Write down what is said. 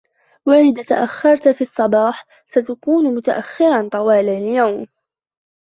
إذا تأخرت في الصباح, سوف تكون متأخراً طوال اليوم.